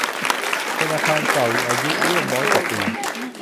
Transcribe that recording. เป็นอาคารเก่าอายุร่วมร้อยกว่าปี